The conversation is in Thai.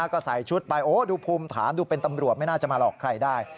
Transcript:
ก็ใส่ชุดไปโอ้ดูภูมิฐานดูเป็นตำรวจไม่น่าจะมาหลอกใครได้